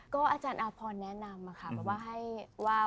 ก็อาจารย์อาพรแนะนำค่ะ